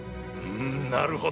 んんなるほど。